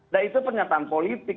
dan itu pernyataan politik